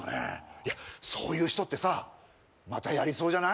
いやそういう人ってさまたやりそうじゃない？